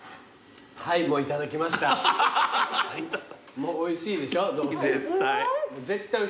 もう「おいしい」でしょどうせ。